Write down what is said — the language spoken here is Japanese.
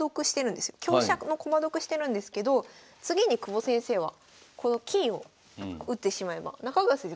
香車の駒得してるんですけど次に久保先生はこの金を打ってしまえば中川先生